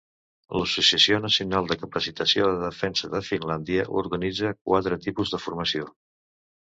L'Associació Nacional de Capacitació de Defensa de Finlàndia organitza quatre tipus de formació.